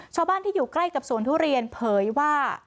ชาวบ้านที่อยู่ใกล้กับสวนทุเรียนเผยว่า